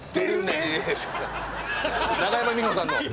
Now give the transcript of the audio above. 中山美穂さんの。